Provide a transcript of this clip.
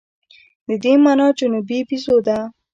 د دې مانا جنوبي بیزو ده.